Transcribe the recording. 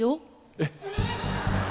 えっ？